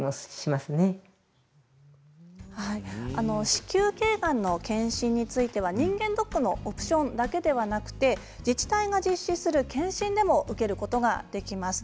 子宮けいがんの検診については人間ドックのオプションだけではなくて自治体が実施する検診でも受けることができます。